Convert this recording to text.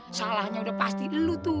salahnya udah pasti lo tuh